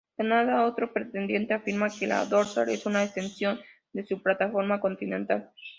Canadá, otro pretendiente, afirma que la dorsal es una extensión de su plataforma continental.